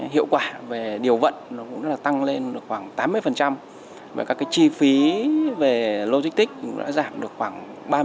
hiệu quả về điều vận cũng đã tăng lên khoảng tám mươi và các chi phí về logistic cũng đã giảm được khoảng ba mươi